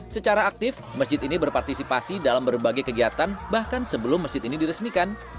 secara aktif masjid ini berpartisipasi dalam berbagai kegiatan bahkan sebelum masjid ini diresmikan